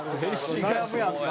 悩むやんか。